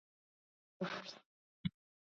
بیا ځلي پیل شوې